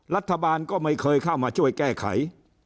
รัฐบาลก็ไม่เคยเข้ามาช่วยแก้ไข